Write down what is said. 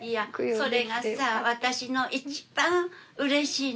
それがさ私の一番うれしいの。